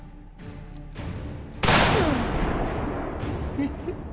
フフ。